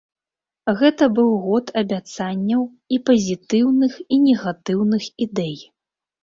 Гэта быў год абяцанняў і пазітыўных і негатыўных ідэй.